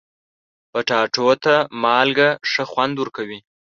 کچالو ته مالګه ښه خوند ورکوي